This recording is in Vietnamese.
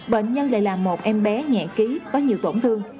bệnh nhân lại là một em bé nhạy ký có nhiều tổn thương